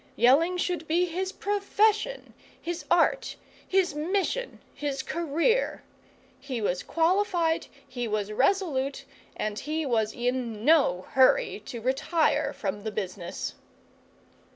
Yelling should be his profession, his art, his mission, his career. He was qualified, he was resolute, and he was in no hurry to retire from the business.